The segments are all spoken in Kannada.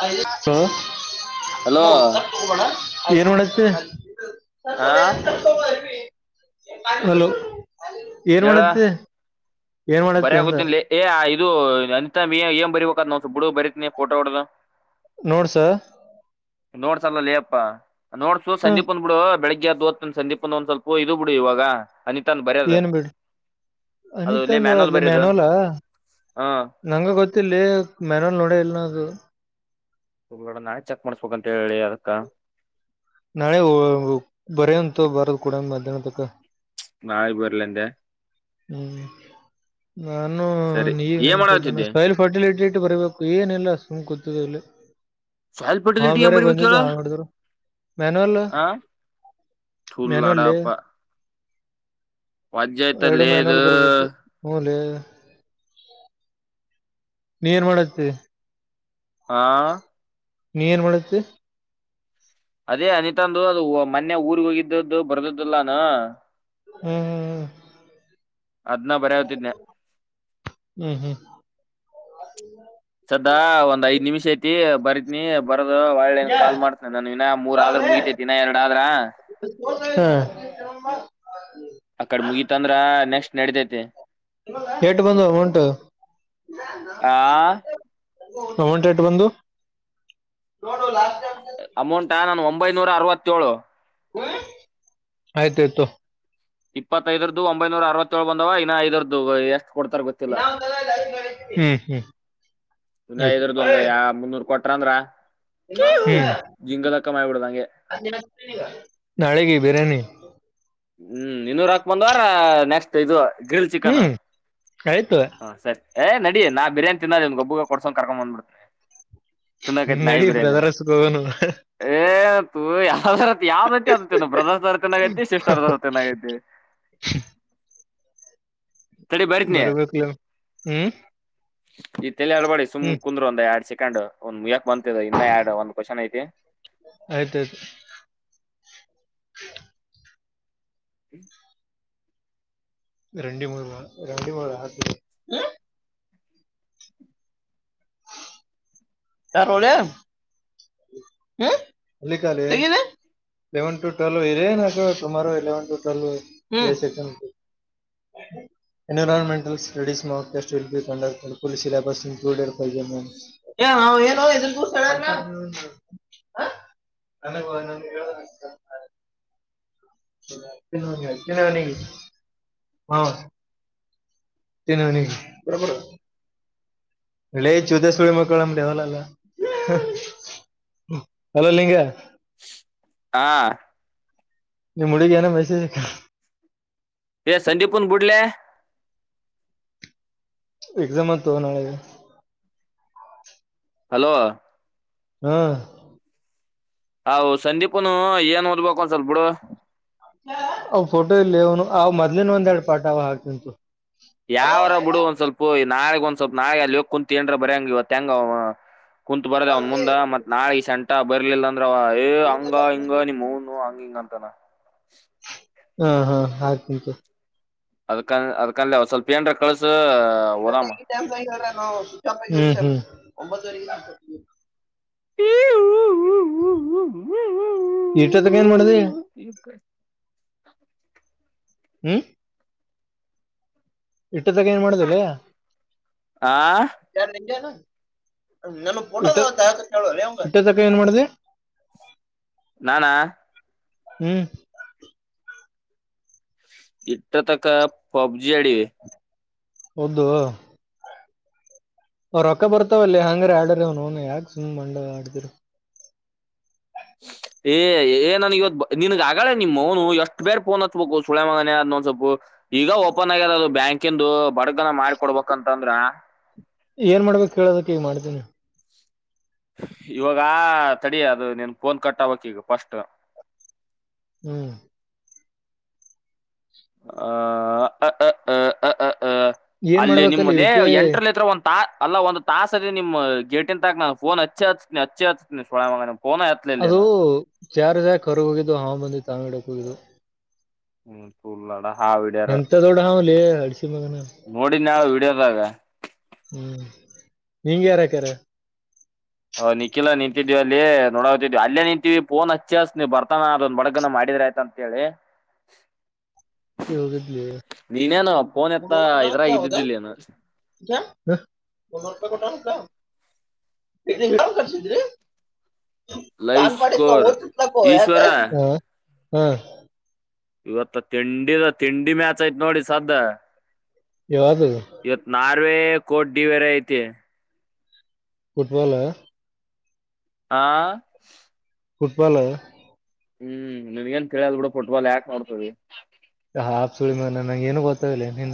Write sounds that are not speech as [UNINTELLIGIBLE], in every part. ಹ [UNINTELLIGIBLE] ಹ ಹಲೋ ಏನು ಮಾಡ [UNINTELLIGIBLE] ಹಾ [INAUDIBLE] ಹಲೋ ಏನ್ ಹೇಳ ಮಾಡತ್ತೆ ಏನ್ ಮಾಡತ್ತೆ ಅಂದ ಬರಯಕೂತಿನ್ಲೆ ಏ ಇದು ಅ ಏನ್ ಬರಿಬೇಕಾದ ನ್ ಹುಡು ಬರೀತನ ಫೋಟೋ ಡೋ ನೋಡ್ಸ ನೋಡ್ಸ ಅಲ್ಲ ಲ ಅಪ್ಪಾ ನೋಡ್ಸು ಹ ಸಂದೀಪ್ ಬಂದ್ಬಿಡು ಬೆಳಿಗ್ [INAUDIBLE] ದೀಪಂದ ಒಂದ್ವಲ್ಪ ಇ ಇದದು ಬಿಡು ಇವಾಗ ಅನಿತಾನ್ ಬರ್ಯದ್ ಅನಿತ ತಂದೇವಾದಲ್ಲಿ ಬರಿಯೋದು ಮೆನೋಲ ಹಾ ನಂಗ ಗೊತ್ತಿಲ್ಲಲ್ಲಿ ಮೆನಲ್ ನೋಡ ಇಲ್ ನ ಅದು ಹುಗ್ಡ ನಾಳೆ ಚೆಕ್ ಮಾಡ್ಸ್ಬೇಕಕ್ ಅಂತ ಹೇಳಿ ಅದಕ್ಕ ನಾಳೆ ಬರಂತ ಬರದು್ ಕೂಡ ಮಧ್ಯಾಹ್ನದ ತಕ [INAUDIBLE] ನಾಳಿ ಬರಲಂದೆ ಹ್ಮ್ ನಾನು ಸರಿ ನೀವ ಏನ್ ನೆನ್ಪತಾನ ಮಾಡತಿದ್ದೆ ಸಾಯಿಲ್ ಫರ್ಟಿಲಿಟಿ. ಬರಬೇಕು ಏನಿಲ್ಲ ಸುಮ್ ಕೂತಲ್ಲಿ ಸೆಲ್ಫ್ ಹಾ ಫರ್ಟಿಲಿಟಿ ಏನ್ ಬೇರೆ ಬರಿಬೇಕ್ ಬಂದಿದ್ದು ಹೇಳು ಹಾ ಮಾಡಿದ್ರು ಮ್ಯಾನಲ್ [UNINTELLIGIBLE] ಲಡಾಪ ಎರಡು ಇದು ಮ್ಯಾನಲ್ ಬರ್ಬೇಕು ಮೂಲೆ. ನೀರ್ ಮಾಡತ್ತ. ಆ ನೀನ್ ಏನ್ ಮಾಡತಿ ಅದೇ ಅನಿತಾಂದು ಅದು ಮೊ ಊರಿಗೆಗ್ ಹೋಗಿದ್ದದ್ದು ಬರ್ದದ್ದಲ್ಲಾನು ಹ್ಮ್ ಹ್ಮ್ ಹ್ಮ್ ಅದ್ನ ಬರ್ಯಾವತಿದ್ನ ಹ್ಮ್ ಹ್ಮ್ [INAUDIBLE] ಸದಾ ಒಂದ್ ಐದ್ ನಿಮಿಷ ಐತಿ ಬರತನಿ ಒಳ್ಳೆನ್ ಕಾಲ್ ಮಾಡ್ತೇನೆ ನಾನ ಇನ ಮೂರ್ ಆದ್ರ ಮುಗಿತೇತಿಿನ ಎರಡ ಆದ್ರ ಹೂ [INAUDIBLE] ಅಕಡ್ ಮುಗೀತಂದ್ರ ನೆಕ್ಸ್ಟ್ ನಡತೈತೆ ಎಟು ಬಂದು ಅಮೌಂಟ್ ಆ ಒಂ ರೇಟ್ ಬಂದು. ಅಮೌಂಟ್ ನಾನು ಒಂಬೈನೂರ ಅರವತ್ತಏಳು ಆಯ್ತು ಆಯ್ತು ಇಪ್ಪತ್ತೈದರದ್ದು ಒಂಬೈನೂರ ಅರವತ್ತೇಳು ಬಂದವ ಇನ್ನ ಐದರದ್ದು ಕೊಡ್ತಾರ ಗೊತ್ತಿಲ್ಲ ಇನ್ನ ಹ್ಮ್ಮ ಸುಮಾ ಇದ್ರದ ಒಂದು ಯಾವ ಮುನ್ನೂರ್ ಕೊಟ್ರ ಅಂದ್ರ ಕ್ಯೂ ಹ್ಮ್ ಜಿಂಗಲಕ್ಕ ಮಾಡ್ಬಿಡ್ದಂಗೆ ನಾಳೆಗೆ ಬಿರಿಯಾನಿ ಹ್ಮ್ ಇನ್ನೂರ ಹಾಕ್ ಬಂದ್ವಾರ ನೆಕ್ಸ್ಟ್ ಇದು ಗ್ರಿಲ್ ಚಿಕನಾ ಹ್ಮ್ ಆಯ್ತು ಹ ಸರಿ ಏ ನಡಿ ನಾ ಬಿರಿಯಾನಿ ತಿನ್ನೋದ ಒಂದ್ ಗಬ್ಬುಗ ಕೊಡ್ಸಕೊಂಡ ಕರ್ಕೊಂಡಬಂದ್ಬಿಡ್ತಿನಿ ತುನ್ನಕೈತ್ ನಡಿ ನಾಯಿಬ್ರನನು ಬ್ರದರ್ಸ್ಗೆ ಹೋಗೋನು [INAUDIBLE] ಏ ಯಾವ್ದ ಯಾವ್ದತಿ ಅದರತಿನೈತಿ ಶ ರದ ಚೆನ್ನಾಗಿದ್ದವೆ ಬರಬರ್ ಕಲ ಹ್ಮ್ ಇ ತಲೆ ಹೇಳ್ಬೇಡಿ ಸುಮ್ ಹ್ಮ್ ಕುಂದ್ರ ಒಂದ ಎರಡ್ ಸೆಕೆಂಡ್ ಒಂದ್ ಬಂತಿದೆ ಇನ್ನ ಯಡ್ ಒಂದ್ ಕ್ವಶನ್ ಐತಿ ಹೇ [INAUDIBLE] ಹ್ಮ ರಂಡಡಿ ಮೂಳ ರಂಡಡಿ ಮೂಳ ಆ [INAUDIBLE] ಯಾರ ಹ ಅಲ್ಲಿ [INAUDIBLE] ಇಲೆವನ್ ು ಟ್ವೆಲ್ವ ಇ ರ ನಕರು ಇಲೆವನ್ ು ಟ್ವೆಲ್ವ ರೈ ಸಕ [UNINTELLIGIBLE] [INAUDIBLE] ಹ ಎನ್ವೈರೋಮೆಂಟಲ್ ಸ್ಟಡಿಸ್ ಮಟಸ್ಟ್ ಎಲ್ ಬಿ ಕ ಸ ಸಿಲೆಬಸ್ ಇಕ್ಲೂಡೆ ಇರತ್ತದೆ ಹ ಏನೋ ಇದ್ರ ದೂ ಸಣ ಹ ಚ ಹಾ [INAUDIBLE] ತಿನನ ಬರಬರ ಇ ಜುತೆ ಸುಳಿ ಮಕ್ಕಳಮವಲ್ಲ ಅಲ್ಲ [UNINTELLIGIBLE] [INAUDIBLE] ಅಲೋ ಲಿಂಗ ಹಾ ನಿಮ್ಮ ಹುಡುಗಿ ಏನೂ ಮೆಸೇಜ್ ಅಕಾಲ ಸಂದೀಪನ್ ಬಿಡ್ಲೆ ಎಕ್ಸಾಮ್ ಆಯ್ತ್ ನಾಳೆಗೆ ಹಲೋ ಹಾ ಹಾ ಸಂದೀಪನು ಏನ್ ಓದ್ಬೇಕು ಒಂದ ಸ್ವಲ್ಪ ಬಿಡು ಅವ ಫೋಟೋ ಇಲ್ಲಿ ಅವನು ಅವ ಮೊದ್ಲಿನ್ ಒಂದ್ ಎರಡು ಪಾರ್ಟ್ ಅವ ಹಾಕ್ತಿಂತು ಯಾವರ ಬಿಡು ಒಂದ್ ಸ್ವಲ್ಪ ನಾಳಗ್ ಒಂದ್ ಸ್ವಲ್ಪ ನಾಳೆ ಅಲ್ಲಿ ಕುಂತ ಏನಾದ್ರು ಬರ್ಯಂಗ ಇವಂಗ ಕುಂತ್ ಬರದ ಅವನ್ ಮುಂದ ಮತ್ ನಾಳ ಈ ಸೆಂಟ ಬರ್ಲಿಲ್ಲ ಅಂದ್ರ ಏ ಹಂಗ ಹಿಂಗ ನಿಮ ನು ಹಂಗ ಹಿಂಗ ಅಂತಾನ ಹಾ ಹಾ ಆತಂಂತೆ ಅದ್ಕನ್ ಅದಕಂದ ಅವ ಸ್ವಲ್ಪ ಏನರ ಕಳ್ಸ ಓದಾಮ ನ ಒಂಬತ್ತ [INAUDIBLE] [INAUDIBLE] ಇಲ್ಲಿ ತನಕ ಏನ್ ಮಾಡ್ತಿ ಹ್ಮ್ ಇಟ್ಟದಾಗ ಏನ್ ಮಾಡುದಲ್ಲಯ ಆ ನಿ ಇಷ್ಟೊತ್ತು ತನಕ ಏನ್ ಮಾಡಿದಿ ನಾನಾ ಹ್ಮ್ ಇಟ್ಟ ತಕ್ಕ ಪಬ್ಜಿ ಆಡಿವಿ ಹೌದು ಅವ ರೊಕ್ಕ ಬರ್ತಾವಲ್ಲ ಹಂಗ್ರ ಆಡ್ರ ಅವನುನು ಯಾಕ ಸುಮ್ ಮಂಡ ಆಡ್ದರು ಹ ಏ್ ಏ ನನನ್ ಇವ್ಿನನ್ಗ್ ಆಗಾಳೆ ನಿಮ್ ಅವನು ಎಷ್ಟ್ ಬೇರ್ ಫೋನ್ ಹಚ್ಬೇಕು ಸುಳೆ ಮಗನ ಅದೊಂದ್ ಸ್ವಲ್ಪ ಈಗ ಓಪನ್ ಆಗ್ಯಾರ ಅದು ಬ್ಯಾಂಕಿಂದು ಬಡಗನ ಮಾಡಿಕ ಕೊಡ್ಬೇಕಂತಂದ್ರ ಏನ್ ಮಾಡ್ಬೇಕು ಕೇಳೋದಕ್ಕೆ ಮಾಡ್ತೀನಿ ಇವಾಗ ತಡ ಅದು ನಿನ್ ಫೋನ್ ಕಟ್ಬಕ್ ಈಗ ಫಸ್ಟ್ ಹ್ಮ್ ಅ ಅ ಅ ಅ ಏನ್ ಅಲ್ಲಿ ಮಾಡ್ಬೇಕಲ್ಲಿ ನಿಮ್ಮಲ್ಲಿ ಯು ಪಿ ಐ ಎಂಟ್ರಲ್ತ್ರ ಒ ತಾ ಅಲ್ಲ ಒಂದು ತಾಸ ಅ ನಿಮ್ಮ ಗೇಟಿನ್ ತಾಕ್ ನ ಫೋನ್ ಹಚ್ಚಿ ಹನ ಹಚ್ಚಿ ಹನ ಸ್ ಅದು ಜಾರ್ ಜಾಕ್ ಹೊರಗೆ ಹೋಗಿದ್ದು ಹಾವ ಮಂದಿ ತಾಂಗಿಡಕ್ ಹೋಗಿದ್ದು ಹ್ಮ ಚುಳ್ಳಾಡ ಹಾ ಹಡ್ಯಾರ ಎಂತ ದೊಡ್ಡ ಹಾವ್ಲಿ ಅಡ್ಸಿ ಮಗನ ನೋಡಿ ನಾವ ಇಡದಾಗ ಹ್ಮ್ ನೀಂಗ ಯಾರಕ್ಕಾರ ಹ ನಿಖಿಲ ನಿಂತಿದ್ವಿ ಅಲ್ಲಿ ನೋಡತಿದ್ವಿ ಅಲ್ಲೇ ನಿಂತೀವಿ ಪೋನ್ ಹಿ ನೀ್ ಬರ್ತಾನ ಅದೊ್ ಬಡಗನ ಮಾಡಿ ಿದ್ರ ಆಯ್ತ ಅಂತ ಹೇಳಿ ಹ ಹವುೋಗಲಿದ ನೀನೇನು ಫೋನ್ ಎತ್ತ ಮೊಮ್ಮಾರಪ ಇದ್ರಾಗ ಇದ್ದಿದ್ದಿಲ್ಲೇನು ಕಟಾಣತಾ ್ ಯನ್ ಕರ್ಸಿದ್ರಿ ಲೈವ್ ತಾನವಾಡಿ ಸ್ಕೋರ್ ಕಲಕ ಈಶ್ವರ ಇವತ್ತ ತಿಂಡಿಿದ ತಿಂಡಿ ಮ್ಯಾಚ್ ಯ್ತ್ ನೋಡಿ ಸದ ಯದು ೇ ಕಡ್ಡಿ ವರ ಇಐತಿ ಫುಟ್ಬಾಲ್ ಹಾ ಫುಟ್ಬಾಲ್ ಹ್ಮ್ ನಿನ್ಗಏನ್ ಕೇಳಿಯದ್ ಬಿಡ ಫುಟ್ಬಾಲ್ ಯಾಕೆ ಮಾಡ್ತದೆ ಹ ಆಪ್ ಸುಳಿ ಮ ನಂಗೆ ಏನು ಗೊತ್ತಾವಿಲ್ಲ ನೀ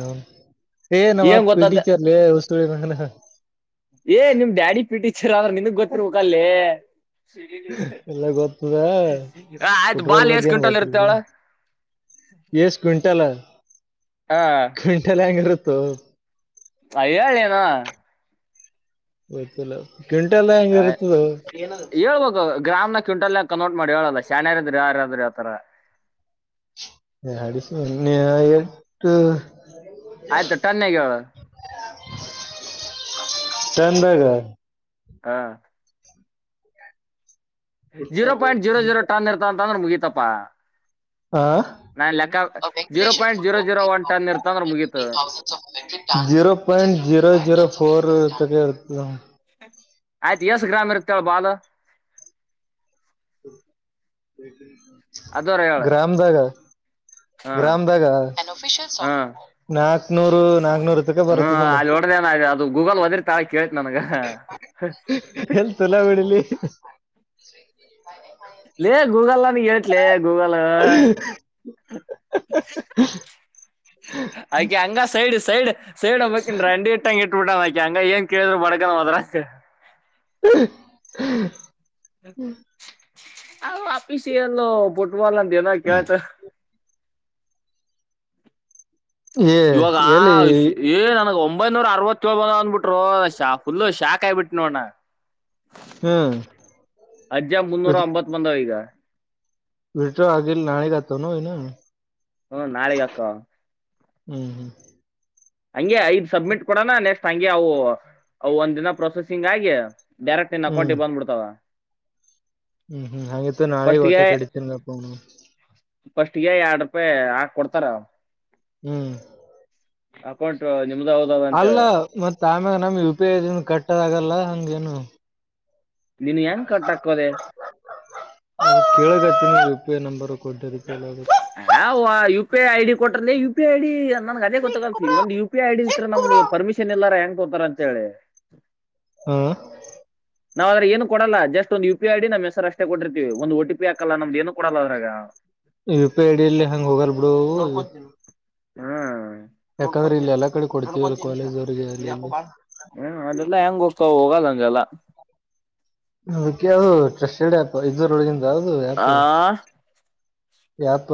ಏ ನಮ್ಮ್ ಏನ್ ಅಪ್ ಗೊತ್ತದ ಟೀಚರ್ ುಳ ಏ ನಿಮ್ ಡ್ಯಾಡಿ ಪೀಟಿಚರ್ ಅಂದ್ರ ನಿನ್ಗ್ ಗೊತ್ತರ್ ಮುಕಲ್ಲ್ಲಿ ಎಲ್ಲ ಗೊತ್ತದ ಆಯ್ತು ಬಾಲ್ ಎಷ್ಟ ಗ್ವಿಂಟಲ್ ಇರುತ್ತ ಅವಳ ಎಷ್ಟ ಕ್ವಿಂಟಲ್ ಹ ಕಂಟಲ್ಲ ಅಂಗಾರತ್ತು ಅಯ್ಯಳನಾ ಗೊತ್ತಲ್ಲ ಕ್ವಿಂಟೆಲ್ ಹೆಂಗ ಇರುತ್ತದ ಹೇಳ್ಬೇಕು ಗ್ರಾಮ್ನ ಕ್ಯಂಟಲ್ಲ ಕನ್ವರ್ಟ್ ಮಾಡಿ ಹೇಳಲ್ಲ ಶ್ಯಾಣ ಯಾರಾದ್ರರು ಯಾರಾದ್ರರು ಯಾವತರ ಡೊನ್ನೆ ಎಟು ಆಯ್ತು ಟನ್ನಾಗ ಟೈಮ ಬಾಗ ಹಾ zero point zero zero ton ಇರ್ತ ಅಂತ ಅಂದ್ರೆ ಮುಗಿತಪ್ಪಾ ಆಾ zero point zero zero one ton ಇರ್ತ ಅಂದ್ರ ಮುಗೀತು ೀರೋ ಪಟ್ ಜೋ ಜೀರೋ ಫೋರ್ ತಗ ಇರ್ತದೆ ಆಯ್ತು ಎಸ್ ಗ್ರಾಮ ಇರ್ತ್ತಳ ಬಾಾಲ ಅದರ ಹೇಳ ಗ್ರಾಮದಗ ಹಾ ಗ್ರಾಮದಾಗ ಹಾ ನ ಹ್ಮ ಅಲ್ಲಿ ಒಡದ ಅದು ಗೂಗಲ್ ಹದ್ರ ತ ಎಲ್ಲಿ ತುಲ ಬಿಡಿಲಿ ಗೂಗಲ್ ಗಟ್ಲ ಗೂಗಲ ಆಯ್ಕೆ ಹಂಗ ಸೈಡ್ ಸೈಡ್ ಸೈಡ್ ಹಬ್ಬನ್ ರಂಡಿ ಇಟ್ಟಂಗ ಇಟ್ಬಿಟ್ಟಾಕಿ ಹಂಗ ಏನ್ ಕೇಳಿದ್ರು ಬಡಗನ ಹದ್ರ ಹ್ಮ ಹ ಆಫೀಿಸಿ ಎಲ್ಲ ಬುಟ್ಬಲ್ ಅಂತ ಏನ ಕ ಆಯ್ತ ಏ ಇವಾಗ ಎಲ್ಲಿ ಆಷ ಏ ನನಗೆ ಒ ಒಂಬೈನೂರ ಅರವತ್ತೇಳಳ್ ಬಂದ ಅಂದ್ಬಿಟ್ರು ಶಾ ಫುಲ್ಲು ಶಾಕ್ ಆಯಿಬಿಟ್ು ನೋಡಣ್ಣ ಹ್ಮ್ ಅಜ್ಜ ಮುನ್ನೂರ ಅಂಬತ್ ಮಂದ ಈಗ ವಿಟ ಆಗಿ ನಾಣಗತನು ಹ್ಮ ನಾೆಗೆ ಅಕ್ಕಾ ಹ್ಮ್ ಹ್ಮ್ ಹಂಗೆ ಐದು್ ಸಬ್ಮಿಟ್ ಕೊಡೋಣ ನೆಕ್ಸ್ಟ್ ಹಂಗೆ ಅವು ಅ ಒಂದ್ ದಿನ ಪ್ರೊಸೆಸಿಂಗ್ ಆಗಿ ಡೈರೆಕ್ಟ್ ನಿನ್ ಹ್ಮ್ ಅಕೌಂಟಿಗೆ ಬಂದ್ಬಡ್ತಾವ ಹ್ಮ್ ಹ್ಮ್ ಹಾಗತ್ತು ನಾಳೆ ಓಟ ಫಸ್ಟ್ಗೆ ಕಡತಿಲ್ಲಪ್ಪನು ಫಸ್ಟ್ಗೆ ಎರಡ್ ರೂಪಾಯಿ ಹಾಕ್ ಕೊಡ್ತಾರ ಹ್ಮ್ ಹಾಕಂಟು ನಿ ಅಲ್ಲ ಮತ್ತತ್ ಆಮ್ಯಾಗ ನಮ್ ಯು ಪಿ ಐ ಇದನ್ ಕಟ್ಟದಗಲ್ಲ ಹಂಗೇನು ನೀನ್ ಹೆಂಗ್ cut ಹಾಕೋದೆ [INAUDIBLE] ಕೇಳಬೇಕತೀನಿ U P I number ಕೊಟ್ಟಿದಕ್ಕೆಲ್ಲ ಹ ಯು ಪಿ ಐ ಐಡಿ ಕೊಟ್ರಲ್ಲ ಯು ಪಿ ಐ ಐಡಿ ನನ್ಗೆ ಅದೇ ಗೊತ್ತಾಗಲ್ತಿ ಒಂದ್ ಯು ಪಿ ಐ ಡಿ ಇಲ್ತ್ ನಮ್ಗೆ ಪರ್ಮಿಷನ್ ಇಲ್ಲಾರ ಹೆಂಗ್ ಕೋತಾರ ಅಂತ ಹೇಳಿ ಹ್ಮ್ ನಾವ್್ರ ಏನು ಕೊೋಲ್ಲ ಜಸ್ಟ್ ಒಂದು ಯು ಪಿ ಐ ಡಿ ನ ಹೆಸರ್ ಅಷ್ಟೇ ಕೊಟ್ಟರ್ತತಿವಿ ಒಂದು ಟಿ ಪಿಾಲ್ಲ ನಮ್ದ ಏನು ಕೊಡಲ್ಲದ್ರಾಗ ಯು ಪಿ ಐ ಡಿಿಯಲ್ಲಿ ಹೆಂಗ್ ಹೋಗಲ್ ಬಿಡು ಹಾ ಯಾಕಂದ್ರೆ ಇಲ್ಲಿ ಎಲ್ಲಾ ಕಡೆ ಕೊಡ್ತೀವ ಕಾಲೇಜ್ ಅವ್ರರಿಗೆ ಅಲ್ಲಿ ಹ್ಮ ಅದೆಲ್ಲಾ ಹೆಂಗ್ ಹೋಗ್ತ ಹೋಗಲ್ಲಂಂಗಲ್ಲ ವಿಕಿ ಅದು ಟ್ರಸ್ಟೆಡ್ ಆ್ಯಪ್ ಇದದುೂರ ಒಳಗಿಂತ ಅದು ಆಪ್ ಆ ಯಪ್ಪ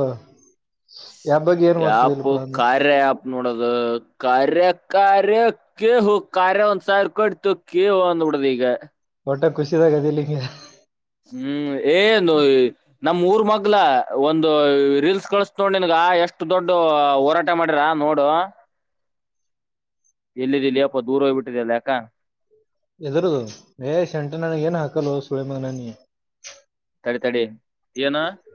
ಯಪ್ ಕಾರ್ಯ ಯಪ್ ನೋಡೋದು ಕಾರ್ಯ ಕಾರ್ಯ ಕ ಹ ಕಾರ್ಯ ಒಂದ್ ಸಾವಿರ ಕೊ ಇತ್ತುು ಕ ಅಂದ್ಬ ಬಿಡ್ದ್ ಈಗ ಒಟ್ಟ ಖುಷಿದಾಗ ಅದಂಗೆ ಹ್ಮ್ ಏನು ನಮ್ ಊರ್ ಮಲ ಒಂದು ರೀಲ್ಸ್ ಕಳಸ ನೋೊಂಡ ನನ್ಗ ಎಷ್ಟು ದೊಡ್ ಹೋರಾಟ ಮಾಡಿರ ನೋಡುುವ [UNINTELLIGIBLE] ಎಲ್ಲದಿ ಲೇ ಪಾ ದೂರ ಹೋಗ್ಬಿಟ್ಟಿದೆಲ್ಲ ಯಾಕ? [UNINTELLIGIBLE] ಎದರದ ಅದ ಏ ಶಂಟಾ ನನಗ ಏನ್ ಹಾಕಲೋ ಸೂಳೇಮಗನ ನೀ [UNINTELLIGIBLE] ಏ ತಡಿ ಏನ್? [UNINTELLIGIBLE]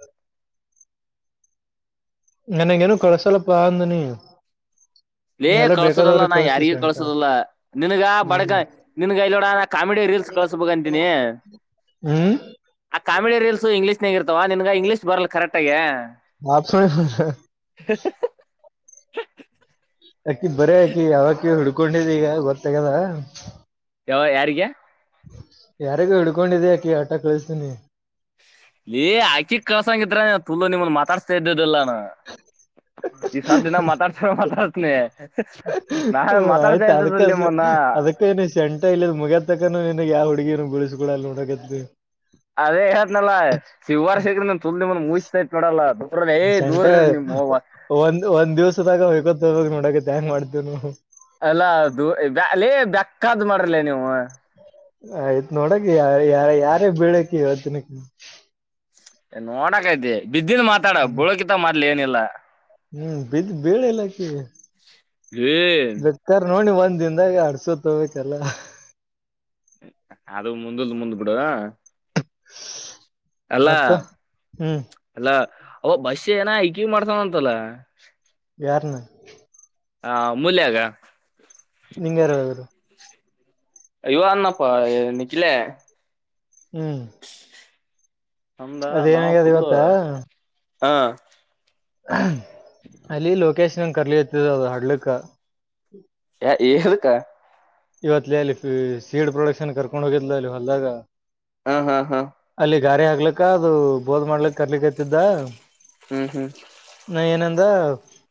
ನನಗ ಏನು ಕಳಸಾಲಪ್ಪಾ ಅಂದನಿ. [UNINTELLIGIBLE] ಏ ಎಲ್ಲ ಕಳ್ಸುದಲ್ಲ ಬೇಕಾದವ್ರಿಗೆ ನಾ ಯಾರಿಗ ಕಳಿಸ್ತಿಸಿ ಅಂತ ಕಳ್ಸುದಲ್ಲ ನಿನ್ಗ ಬಡಗ ಹ್ಮ್ ನಿನ್ಗಲೋಡ ಕಾಮಿಡಿ ರೀಲ್ಸ್ ಕಿಸಬ ಅಂತೀನಿ ಹ್ಮ್ ಆ ಕಾಮಿಡಿ ರೀಲ್ಸ್ ಇಂಗ್ಲೀಷ್ ನಗ ಇರ್ತವ ನಿನ್ಗ ಇಂಗ್ಲೀಷ ಬಲ್ಲ ಕರೆಕ್ಟ್ ಆೆ ಆ [INAUDIBLE] ಅಕ್ಕಿ ಬರ ಅಕಿ ಯಾವಕ್ಕಿ ಹುಡ್ಕೊಂಡಿದ ಈಗ ಗೊತ್ತಗಲ್ಲ ಯಾವ ಯಾರಿಗೆ ಯಾರಿಗು ಹಿಡ್ಕೊಂಡಿದಿ್ಯಾಾಕಿ ಆಟ ಕಳಿಸತೀನಿ ಇ ಆಕಿಕ್ ಕಳ್ಸಂಗಿದ್ರ ತುಲ ನಿಮ್ಮನ್ ಮಾತಾಡ್ಸ್ತಾ ಇದ್ದದೆಲ್ಲ ಈ ಸ ದಿನ ಮಾತಾತ ಮಾತಾಡ್ತನ ಹ ಆಯ್ತ ಅದಕ್ಕ ಅದಕ್ಕ ಏನು ಶೆಂಟ ಇಲ್ಲದ ಮುಗ ತಕ್ಕಾನ ನಿನ ಯಾವ ಹುಡುಗಿನ ಬಿಳಸ ಇಲ್ಲ ಅಲ್ಲೇ ಹೊರಗದ್ವಿ. [UNINTELLIGIBLE] ಅದೇ ಹೇಳದ್ನಲ್ಲ ಶಿವಾರ್ ಶಕ್ರ ತುಲ್ ನಿಮ್ನ ಮುಸ ಸಮೇತ ನೋಡಲ್ಲ? [UNINTELLIGIBLE] ದೂರ ಶಂಟಾ ಇರ್ರಿ ನಿಮ್ ಹೋವ ಒಂದ್ ಒಂದ್ ದಿವಸದಾಗ ಹೊಯ್ಕೋತ ಹೋಗೋರನ ನೋಡಕತ್ಯ ಹಂಗ್ ಮಾಡತ್ತಿರ ನೀವ್, [UNINTELLIGIBLE] ಅಲ್ಲಾ ಅದು ಬ್ಯಾ ಲೇ ಬೆಕ್ಕಾದ್ ಮಾಡ್ರಲೇ ನೀವು? [UNINTELLIGIBLE] ಆಯ್ತ್ ನೋಡಕ ಯ ಯಾರ ಯಾರಗಬೀಳಕೆ ಹೇಳ್ತೀನಿ ಅಕಿಗ? [UNINTELLIGIBLE] ನೋಡಕಐತಿ ಬಿದ್ದದ ಮಾತಾಡ ಬೀಳೋಕ್ಕಿಂತ ಮೊದಲ್ ಏನಿಲ್ಲಾ? [UNINTELLIGIBLE] ಹೂ ಬಿದ್ದ್ ಬೀಳಲಿಲ್ಲ ಆಕಿ ಏ ಬೇಕರ್ ನೋಡ ನೀ ಒಂದ್ [UNINTELLIGIBLE] ದಿಂದದಾಗ ಅಡ್ಸೋತ ಹೊಗಬೇಕಲ್ಲ, [UNINTELLIGIBLE] ಅದು ಮುಂದಲದ ಮುಂದ ಬಿಡ. [UNINTELLIGIBLE] ಉಷ ಅಲ್ಲ ಅಲ್ಲ ಅವ ಬಶ ಏನ ಇಕಿ ಮಾಡ್ತಾಳ ಅಂತಲ್ಲ? [UNINTELLIGIBLE] ಯಾರನ್? [UNINTELLIGIBLE] ಆಮೂಲ್ಯಗ [UNINTELLIGIBLE] ನಿಂಗ್ಯಾರ ಅವ್ರು ಅಯ್ಯೋ ಅಂದನಪ್ಪ ನಿಖಿಲೈ, [UNINTELLIGIBLE] ಹೂ [UNINTELLIGIBLE] ನಮ್ಮದ ನಾ ಪೂಲ್ ಇವತ್ತ ಹಾ [UNINTELLIGIBLE] ಅಲ್ಲಿ ಲೊಕೇಶನ್ ಕರ್ಲಿಕತದ ಅದು ಹಡ್ಲಕ್ಕ. [UNINTELLIGIBLE] ಏ ಎದಕ್ಕ? [UNINTELLIGIBLE] ಇವತ್ ಅಲ್ಲಿ ಸೀಡ್ ಪ್ರೊಡಕ್ಷನ್ ಕರ್ಕೊಂಡ್ ಹೋಗಿದ್ಲ ಅಲ್ಲಿ ಹೊಲ್ದಾಗ? [UNINTELLIGIBLE] ಹ ಹ ಹ [UNINTELLIGIBLE] ಬ್ಯಾರ ಆಗ್ಲಕ್ಕ ಅದು ಬೋದ್ ಮಾಡ್ಲಕ್ ಕರ್ಲಿಕ್ತಿದ್ದ? [UNINTELLIGIBLE] ಹು ಹು [UNINTELLIGIBLE] ದ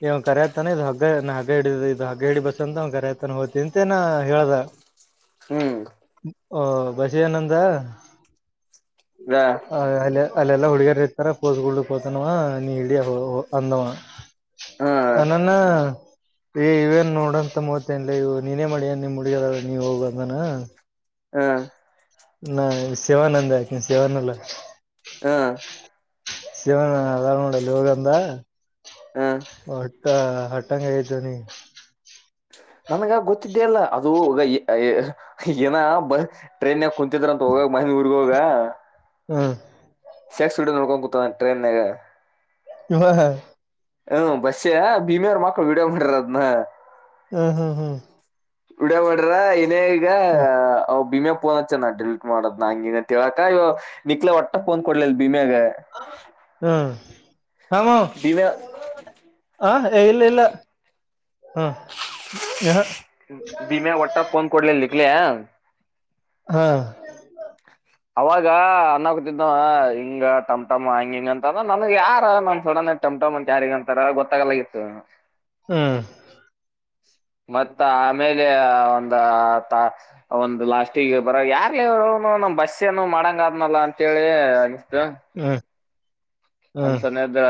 ಇವ್ ಕರ್ಯತನ ಇದು ಹಗ್ಗ ನಾ ಹಗ್ಗ ಹಿಡಿದ ಇದು ಹಗ್ಗ ಹಿಡಿ ಬಸ್ ಅಂತ ಅವ್ ಕರ್ಯತನ ಅವತಿಂತೇ ನಾ [UNINTELLIGIBLE] ಹೇಳದ. [UNINTELLIGIBLE] ಹೂ [UNINTELLIGIBLE] ಓ ಬಸ್ಯಾ ಏನ್ ಅಂದ ಹ್ಮ್ ಅ ಅಲ್ಲೇ? [UNINTELLIGIBLE] ಅಲ್ಲೆಲ್ಲಾ ಹುಡ್ಗಿಯರ್ ಇರ್ತಾರ ಪೋಸ್ಗಡ್ ಹೋತನ್ವ ನೀ ಹಿಡಿ ಅಂದಾ ಅವ [UNINTELLIGIBLE] ಅ ನಾನ ಈ ಇವೇನ್ ನೋಡಂತ ಮೂತ್ತನ್ಲ ಇವ ನೀನೇ ಮಾಡಿ ಏನ್ ನಿಮ [UNINTELLIGIBLE] ಹುಡುಗಿ ಅದಲಾ ನೀ ಹೋಗ ಅಂದಾನ? [UNINTELLIGIBLE] ಹ [UNINTELLIGIBLE] ನಾ ಸೇವಾನಂದ ಅಕೆನ ಸೇವಾನಲ್ಲ? [UNINTELLIGIBLE] ಅ [UNINTELLIGIBLE] ಶಿವಣ್ಣ ಅದಾನ ನೋಡಲ್ಲಿ ಹೋಗಂದಾ? ಹ್ಮ್ [UNINTELLIGIBLE] ತ್ತ ಹಟ್ಟಂಗ ಆತನಿ ನನ್ಗ ಗೊತ್ತಿದ್ದೆ ಅಲ್ಲ ಅದು ಏನ ಟ್ರೈನ್ ಕು ತ್ರ ಅಂತ ಹೋಗಾಗ ಮಹಂದ ಊರ್ಗ ಹೋಗ ಹಾ ಶೆಕ್ಸ್ ನೋಡ ಕುತ ಟ್ರೈ ಯವಹ [UNINTELLIGIBLE] ಹೂ ಬಸ್ಯಾ ಭೀಮೆಯಾರ ಮಕ್ಕಳು ವಿಡಿಯೋ ಮಾಡಿರ ಅದನ. [UNINTELLIGIBLE] ಹ ಹ ಹ [UNINTELLIGIBLE] ವಿಡಿಯೋ ಮಾಡ್ಯಾರ ಏನ ಈಗ ಭೀಮೇ [UNINTELLIGIBLE] ಫೋನ್ ಹಚ್ಚ ನಾನ ಡಿಲೀಟ್ ಮಾಡ ಅದನ್ನ ಹಂಗ್ ಹಿಂಗ ಅಂತ ಹೇಳಕ ಇವ ನಿಕ್ಲಲೆ ಒಟ್ಟ ಫೋನ್ ಕೊಡ್ಲಿಲ್ಲ ಬಿಮ [UNINTELLIGIBLE] ಹ [UNINTELLIGIBLE] ಭೀಮೇ? [UNINTELLIGIBLE] ಆ ಇಲ್ಲ ಇಲ್ಲ? [UNINTELLIGIBLE] ಹ್ಮ್ ಭೀಮ್ಯಾಗ ಒಟ್ಟ ಪೋನ್ ಕೊಡ್ಲಿಲ್ಲ ನಿಖಿಲ್ಯಾ [UNINTELLIGIBLE] ಹ [UNINTELLIGIBLE] ಅವಾಗ ಅಣಕುತಿದ್ದ ಹಿಂಗ ಟಮ್ ಟಮ್ ಹಂಗ ಹಿಂಗ ಅಂತ ನನಗ ಯಾರ ನನ್ ಸಡನ [UNINTELLIGIBLE] ಟಮ್ ಟಮ್ ಅಂತ ಯಾರಿಗ ಅಂತಾರ ಗೊತ್ತಾಗಲ್ಲಾಗಿತ್ತು ಹ್ಮ ಮತ್ತ ಆಮೇಲೆ ಒಂದ ಒಂದು ಲಾಸ್ಟಿಗೆ ಬರ ಯಾರ್ರು ಇವರು ನ್ ಬಸ್ಸ ಏನು ಮಾಡಂಗ ಆದ್ನಲ್ಲ ಅಂತೇಳಿ ಹ್ಮ ಒಂದ್ಸನದ